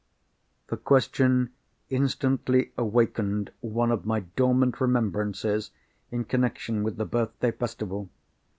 The question instantly awakened one of my dormant remembrances in connection with the birthday festival.